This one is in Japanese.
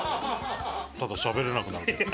ただしゃべれなくなるけど。